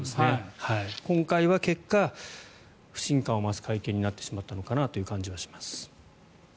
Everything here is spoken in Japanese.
今回は結果不信感を増す会見になってしまったのかなという感じはします。